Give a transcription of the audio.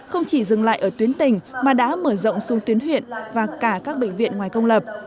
không chỉ dừng lại ở tuyến tỉnh mà đã mở rộng xuống tuyến huyện và cả các bệnh viện ngoài công lập